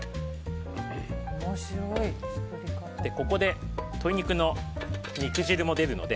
ここで鶏肉の肉汁も出るので